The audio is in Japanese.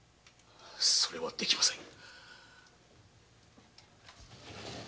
それはできません。